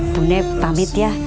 bune pamit ya